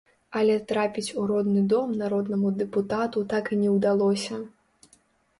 Але трапіць у родны дом народнаму дэпутату так і не ўдалося.